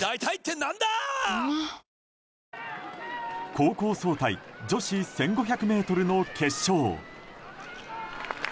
高校総体女子１５００ｍの決勝。